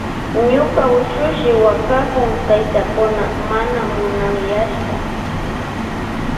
Ñuka ushushi wakakun taytakuna mana munanyashpa.